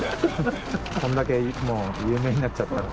こんだけもう有名になっちゃったら。